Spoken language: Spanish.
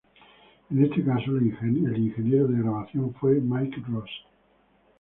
En este caso el ingeniero de grabación fue Mike Ross.